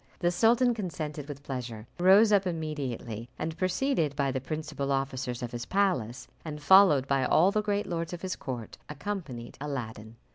The sultan consented with pleasure, rose up immediately, and, preceded by the principal officers of his palace, and followed by all the great lords of his court, accompanied Aladdin.